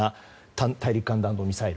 大陸間弾道ミサイル。